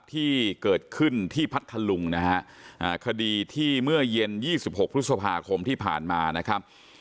ที่เกิดขึ้นที่พัทธลุงนะฮะคดีที่เมื่อเย็น๒๖พฤษภาคมที่ผ่านมานะครับ